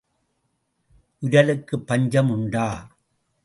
உரலுக்குப் பஞ்சம் உண்டா?